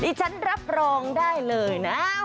ฉันรับรองได้เลยนะ